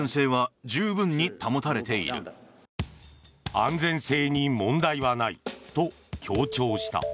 安全性に問題はないと強調した。